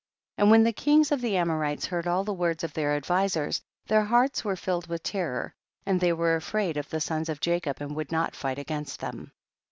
21. And when the kings of the Amorites heard all the words of their advisers, their hearts were filled with terror, and they were afraid of the sons of Jacob and would not fight against them.